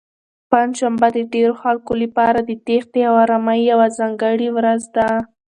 پنجشنبه د ډېرو خلکو لپاره د تېښتې او ارامۍ یوه ځانګړې ورځ ده.